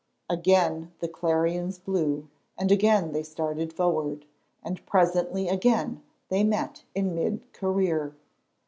Again the clarions blew, and again they started forward, and presently again they met in mid career.